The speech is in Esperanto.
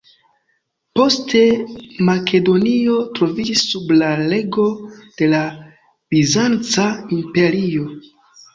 Poste, Makedonio troviĝis sub la rego de la Bizanca imperio.